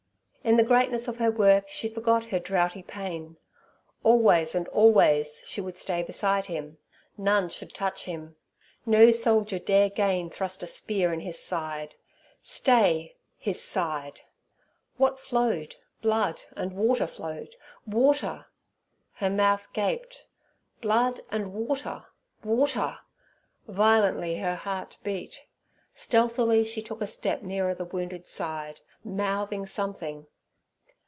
In the greatness of her work she forgot her droughty pain. Always and always she would stay beside Him. None should touch Him. No soldier dare again thrust a spear in His side. Stay—His side! What flowed? Blood—and—water—flowed—water! Her mouth gaped. Blood—and—water! Water! Violently her heart beat; stealthily she took a step nearer the wounded side, mouthing something.